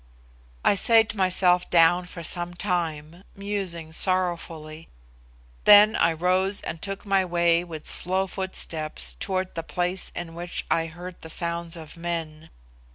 I sate myself down for some time, musing sorrowfully; then I rose and took my way with slow footsteps towards the place in which I heard the sounds of men.